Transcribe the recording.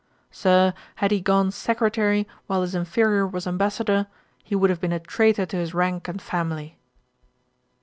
Sir, had he gone Secretary while his inferiour was Ambassadour, he would have been a traitor to his rank and family.'